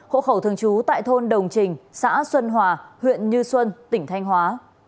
hộ khẩu thường trú tại thôn đồng trình xã xuân hòa huyện như xuân tỉnh thanh hóa